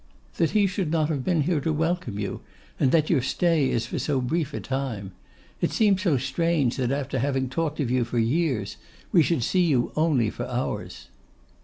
'That he should not have been here to welcome you, and that your stay is for so brief a time. It seems so strange that after having talked of you for years, we should see you only for hours.